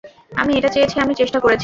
আমি এটা চেয়েছি, আমি চেষ্টা করেছি।